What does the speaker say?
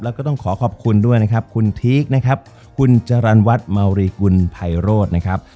แล้วก็ต้องขอขอบคุณด้วยนะครับคุณพีคนะครับคุณจรรวัฒน์เมารีกุลไพโรธนะครับ